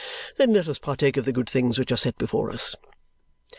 Then let us partake of the good things which are set before us!"